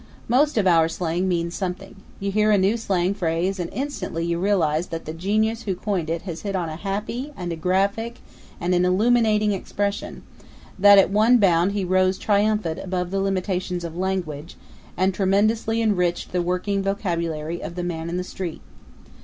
Most of our slang means something; you hear a new slang phrase and instantly you realize that the genius who coined it has hit on a happy and a graphic and an illuminating expression; that at one bound he rose triumphant above the limitations of the language and tremendously enriched the working vocabulary of the man in the street.